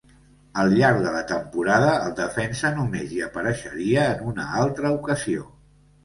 Al llarg de la temporada, el defensa només hi apareixeria en una altra ocasió.